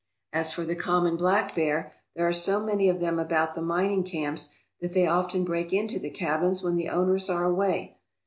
As for the common black bear, there are so many of them about the mining camps that they often break into the cabins when the owners are away.